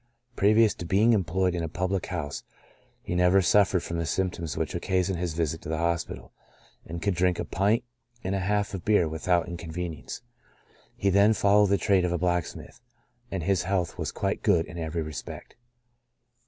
Previous to being employed in a public house he never suffered from the symptoms which occasion his visit to the hospital, and could drink a pint and a half of beer without inconvenience ; he then followed the trade of a blacksmith, and his health was quite good in every respect.